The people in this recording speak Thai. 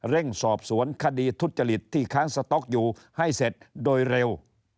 เร่งสอบสวนคดีทุจริตที่ค้างสต๊อกอยู่ให้เสร็จโดยเร็ว